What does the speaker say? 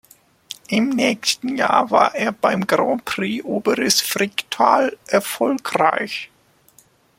Im nächsten Jahr war er beim Grand Prix Oberes Fricktal erfolgreich.